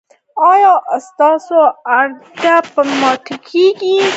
ایا ستاسو اراده به ماتیږي؟